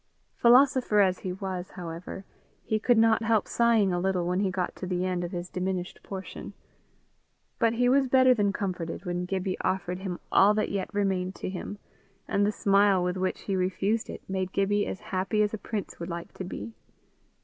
Philosopher as he was, however, he could not help sighing a little when he got to the end of his diminished portion. But he was better than comforted when Gibbie offered him all that yet remained to him; and the smile with which he refused it made Gibbie as happy as a prince would like to be.